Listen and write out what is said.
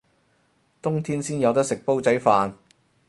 冬天先有得食煲仔飯